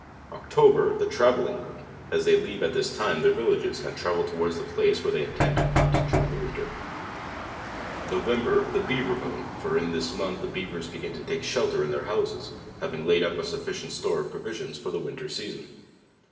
October, the Travelling Moon; rts they leave at this time their villages, and travel towards the place where they intend to hunt during the winter. 55 JOURNAL OF November, the Beaver Moon; fot in this month the Beav ers begin to take shelter in their houses, having laid up a suf ficient store of provisions for the winter season.